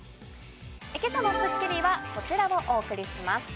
今朝の『スッキリ』はこちらをお送りします。